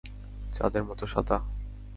চাঁদের মতো সাদা?